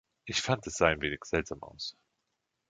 Ich fand, es sah ein wenig seltsam aus.